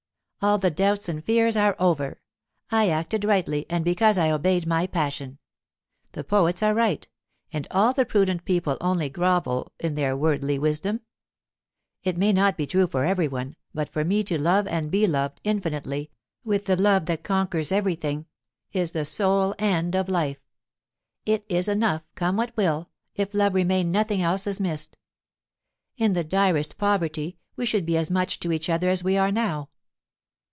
"All the doubts and fears are over. I acted rightly, and because I obeyed my passion. The poets are right, and all the prudent people only grovel in their worldly wisdom. It may not be true for every one, but for me to love and be loved, infinitely, with the love that conquers everything, is the sole end of life. It is enough; come what will, if love remain nothing else is missed. In the direst poverty, we should be as much to each other as we are now.